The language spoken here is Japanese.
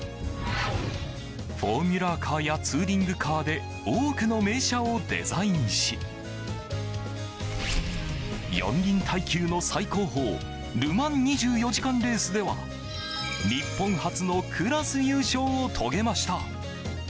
フォーミュラカーやツーリングカーで多くの名車をデザインし四輪耐久の最高峰「ル・マン２４時間」レースでは日本初のクラス優勝を遂げました。